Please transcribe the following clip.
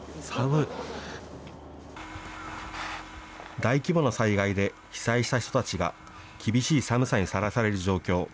大規模な災害で被災した人たちが厳しい寒さにさらされる状況。